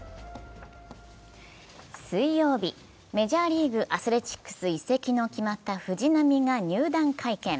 水曜日、メジャーリーグアスレチックス移籍の決まった藤浪が入団会見。